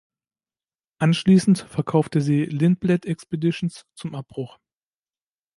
Anschließend verkaufte sie Lindblad Expeditions zum Abbruch.